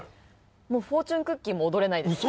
もう「フォーチュンクッキー」も踊れないです